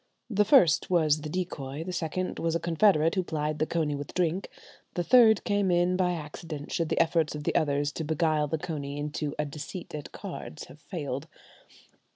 The first was the decoy, the second was a confederate who plied the coney with drink, the third came in by accident should the efforts of the others to beguile the coney into "a deceit at cards" have failed.